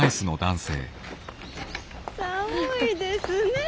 寒いですねえ。